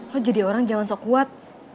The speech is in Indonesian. lo jadi orang jangan sok kuat